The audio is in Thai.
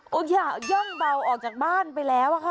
มียังบ่อออกจากบ้านไปแล้วกันค่ะ